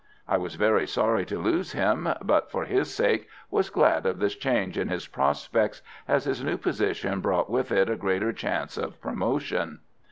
I was very sorry to lose him, but, for his sake, was glad of this change in his prospects, as his new position brought with it a greater chance of promotion.